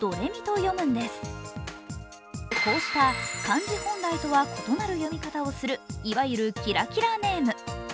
こうした、漢字本来とは異なる読み方をするいわゆるキラキラネーム。